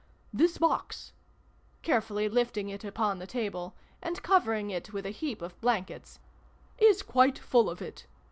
This box," carefully lifting it upon the table, and covering it with a heap of blankets, " is quite full of it.